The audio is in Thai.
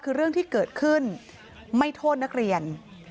คือเรื่องที่เกิดขึ้นไม่โทษนักเรียน